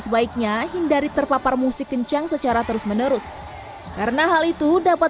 sebaiknya hindari terpapar musik kencang secara terus menerus karena hal itu dapat